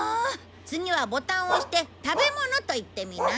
次はボタンを押して「食べ物」と言ってみな。